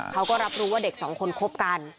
เขาก็รับรู้ว่าเด็กสองคนคบกัน